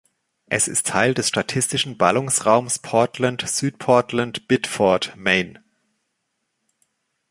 Es ist Teil des statistischen Ballungsraums Portland-Südportland-Biddeford, Maine.